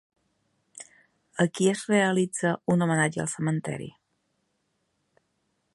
A qui es realitza un homenatge al cementeri?